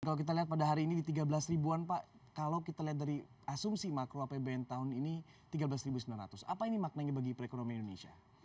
kalau kita lihat pada hari ini di tiga belas ribuan pak kalau kita lihat dari asumsi makro apbn tahun ini tiga belas sembilan ratus apa ini maknanya bagi perekonomian indonesia